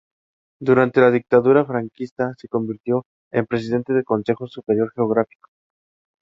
Durante la dictadura franquista se convirtió en presidente del Consejo Superior Geográfico.